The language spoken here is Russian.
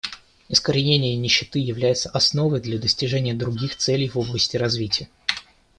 Искоренение нищеты является основой для достижения других целей в области развития.